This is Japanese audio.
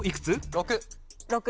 ６。